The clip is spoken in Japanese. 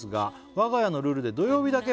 「我が家のルールで土曜日だけパンを」